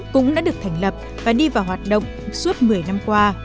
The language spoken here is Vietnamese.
cũng đã được thành lập và đi vào hoạt động suốt một mươi năm qua